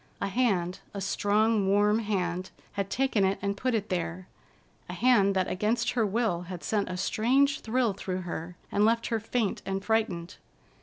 A hand, a strong, warm hand, had taken it and put it there, a hand that against her will had sent a strange thrill through her, and left her faint and frightened.